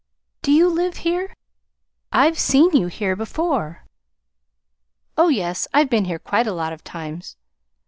Do you live here? I've seen you here before." "Oh, yes, I've been here quite a lot of times."